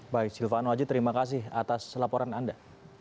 baik silvano haji terima kasih atas laporan anda